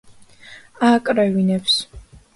ააკვრევინებს